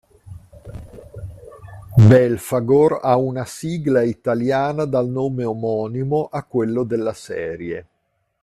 Belfagor ha una sigla italiana dal nome omonimo a quello della serie.